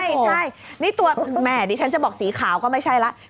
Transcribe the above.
ใช่นี่ตัวแม่ดิฉันจะบอกสีขาวก็ไม่ใช่แล้ว